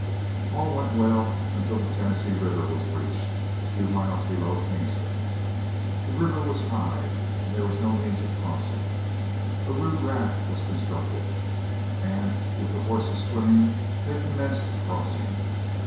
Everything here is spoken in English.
All went well until the Tennessee River was reached, a few miles below Kingston. The river was high and there was no means of crossing. A rude raft was constructed, and with the horses swimming, they commenced crossing.